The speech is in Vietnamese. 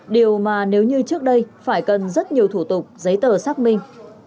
điều mà nếu như trước đây phải cần rất nhiều thủ tục giấy tờ xác minh